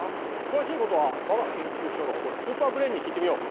詳しいことはわが研究所が誇るスーパーブレーンに聞いてみよう。